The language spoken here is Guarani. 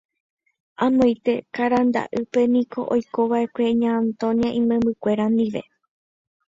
Amoite Ka'arendýpe niko oikova'ekue Ña Antonia imembykuéra ndive.